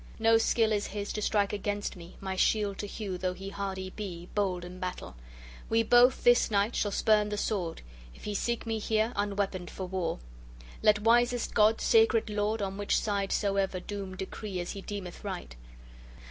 No skill is his to strike against me, my shield to hew though he hardy be, bold in battle; we both, this night, shall spurn the sword, if he seek me here, unweaponed, for war. Let wisest God, sacred Lord, on which side soever doom decree as he deemeth right."